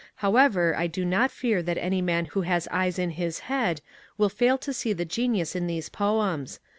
However, I do not fear that any man who has eyes in his head will fail to see the genius in these poems.